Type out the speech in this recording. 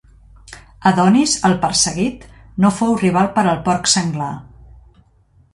Adonis, el perseguit, no fou rival per al porc senglar.